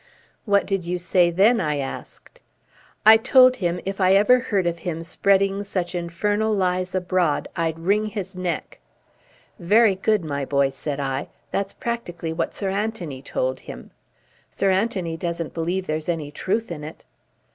'" "What did you say then?" I asked. "I told him if ever I heard of him spreading such infernal lies abroad, I'd wring his neck." "Very good, my boy," said I. "That's practically what Sir Anthony told him." "Sir Anthony doesn't believe there's any truth in it?"